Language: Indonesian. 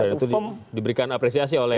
itu diberikan apresiasi oleh